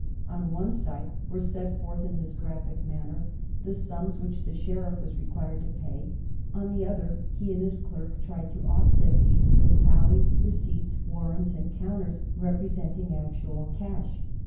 On one side were set forth in this graphic manner the sums THE NORMAN EMPIRE 105 which the sheriff was required to pay, on the other he and his clerk tried to offset these with tallies, receipts, warrants, and counters representing actual cash.